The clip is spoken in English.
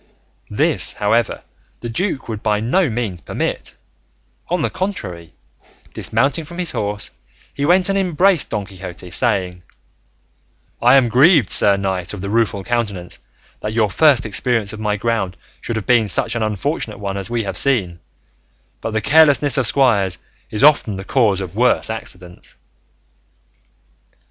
This, however, the duke would by no means permit; on the contrary, dismounting from his horse, he went and embraced Don Quixote, saying, "I am grieved, Sir Knight of the Rueful Countenance, that your first experience on my ground should have been such an unfortunate one as we have seen; but the carelessness of squires is often the cause of worse accidents."